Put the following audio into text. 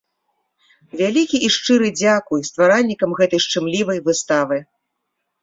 Вялікі і шчыры дзякуй стваральнікам гэтай шчымлівай выставы!